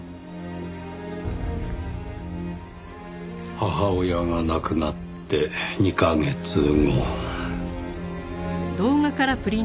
母親が亡くなって２カ月後。